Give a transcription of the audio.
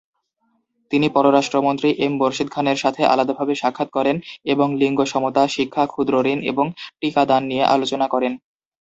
তিনি পররাষ্ট্রমন্ত্রী এম মোর্শেদ খানের সাথে আলাদাভাবে সাক্ষাৎ করেন এবং লিঙ্গ সমতা, শিক্ষা, ক্ষুদ্রঋণ এবং টিকা দান নিয়ে আলোচনা করেন।